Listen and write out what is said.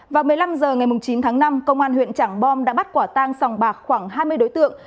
vào một mươi năm h ngày chín tháng năm công an huyện trảng bom đã bắt quả tang sòng bạc khoảng hai mươi đối tượng